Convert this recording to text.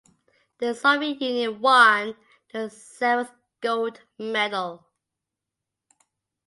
The Soviet Union won their seventh gold medal.